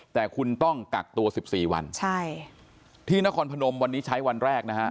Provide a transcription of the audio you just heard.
แต่คุณต้องกักตัวสิบสี่วันใช่ที่นครพนมวันนี้ใช้วันแรกนะฮะ